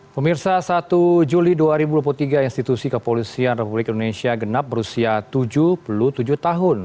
pemirsa satu juli dua ribu dua puluh tiga institusi kepolisian republik indonesia genap berusia tujuh puluh tujuh tahun